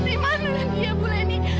di mana dia bu laini